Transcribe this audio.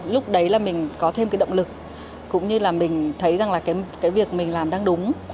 lúc đấy là mình có thêm cái động lực cũng như là mình thấy rằng là cái việc mình làm đang đúng